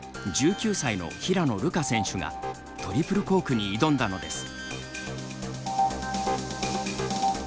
１９歳の平野流佳選手がトリプルコークに挑んだのです。